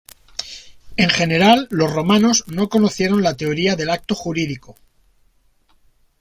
En general, los romanos no conocieron la Teoría del Acto Jurídico.